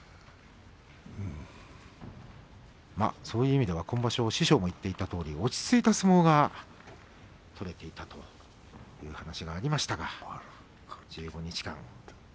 そういう意味では師匠も言っていたとおり落ち着いた相撲が取れていたという話がありましたが１５日間。